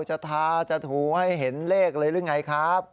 ทาจะถูให้เห็นเลขเลยหรือไงครับ